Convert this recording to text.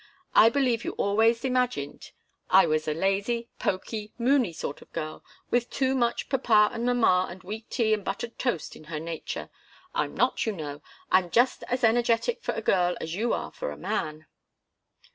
I believe you always imagined I was a lazy, pokey, moony sort of girl, with too much papa and mamma and weak tea and buttered toast in her nature. I'm not, you know. I'm just as energetic for a girl as you are for a man."